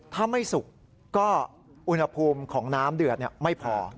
ถ้าไม่สุกก็อุณหภูมิของน้ำเดือดไม่พอ